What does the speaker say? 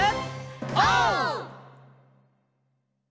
オー！